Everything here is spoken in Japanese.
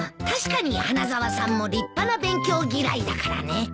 確かに花沢さんも立派な勉強嫌いだからね。